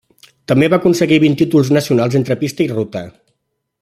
També va aconseguir vint títols nacionals entre pista i ruta.